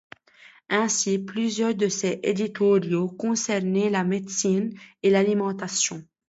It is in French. Ainsi, plusieurs de ses éditoriaux concernaient la médecine et l'alimentation.